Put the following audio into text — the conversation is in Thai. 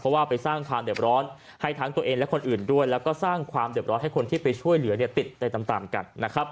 เพราะว่าไปสร้างความเด็บร้อนให้ทั้งตัวเองและคนอื่นด้วยแล้วก็สร้างความเด็บร้อนให้คนที่ไปช่วยเหลือเนี่ยติดไปตามกันนะครับ